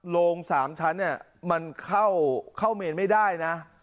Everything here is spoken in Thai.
โรง๓ชั้นเนี่ยมันเข้าเมนไม่ได้นะ